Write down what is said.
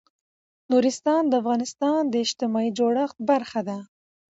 نورستان د افغانستان د اجتماعي جوړښت برخه ده.